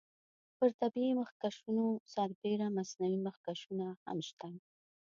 پر طبیعي مخکشونو سربیره مصنوعي مخکشونه هم شته.